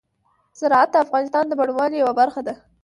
زراعت د افغانستان د بڼوالۍ یوه برخه ده.